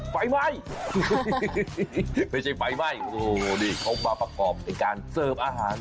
ไฟไหม้ไม่ใช่ไฟไหม้โอ้โหนี่เขามาประกอบไอ้การเสิร์ฟอาหาร